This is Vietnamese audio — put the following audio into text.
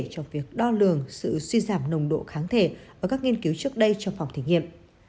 trong việc đo lường sự suy giảm nồng độ kháng thể và các nghiên cứu trước đây trong phòng thí nghiệm